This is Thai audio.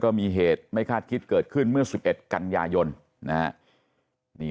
ก็มีเหตุไม่คาดคิดเกิดขึ้นเมื่อ๑๑กันยายนนะฮะ